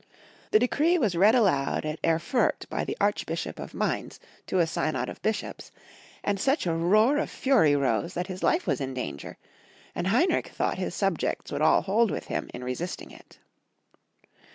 The decree was read aloud at Efrurt by the Archbishop of Mainz to a synod of bishops, and such a roar of fury rose that his life was in danger, and Heinrich thought his subjects would all hold with him in resisting it.